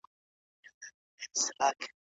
هیوادونه نړیوالي اړیکي بې له ارزونې نه نه پريږدي.